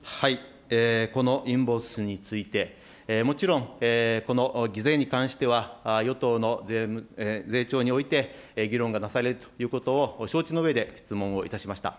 このインボイスについて、もちろんこの税に関しては、与党の税調において議論がなされるということを承知のうえで質問をいたしました。